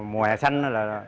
mùa hè xanh